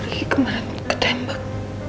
ricky kembali ketembak